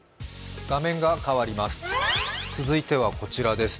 続いてはこちらです。